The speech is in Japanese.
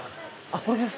これですか？